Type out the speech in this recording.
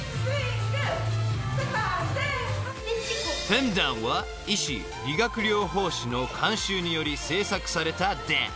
［フェムダンは医師理学療法士の監修により制作されたダンス］